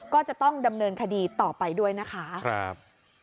ก็จะต้องดำเนินคดีต่อไปด้วยนะคะ